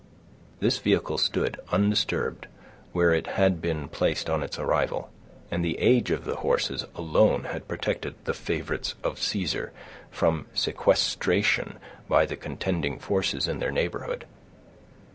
This vehicle stood, undisturbed, where it had been placed on its arrival, and the age of the horses alone had protected the favorites of Caesar from sequestration by the contending forces in their neighborhood.